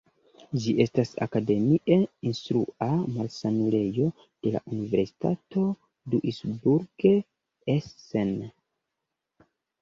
Ĝi estas akademie instrua malsanulejo de la Universitato Duisburg-Essen.